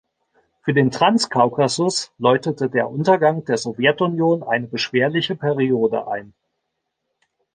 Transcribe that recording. Für den Transkaukasus läutete der Untergang der Sowjetunion eine beschwerliche Periode ein.